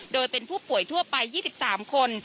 โดยเป็นผู้ป่วยทั่วไป๒๓คน